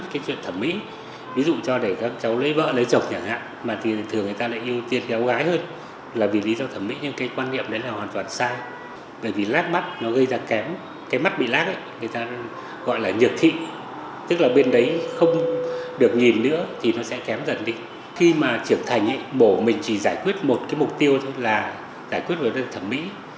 khi mà trưởng thành bổ mình chỉ giải quyết một mục tiêu thôi là giải quyết vấn đề thẩm mỹ